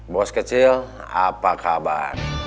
bos kecil apa kabar